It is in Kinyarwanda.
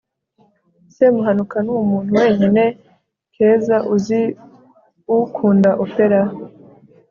semuhanuka numuntu wenyine keza uzi ukunda opera